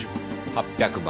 ８００万。